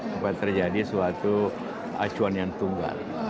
supaya terjadi suatu acuan yang tunggal